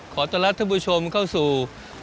ขอตลัดท่านผู้ชมเข้าสู่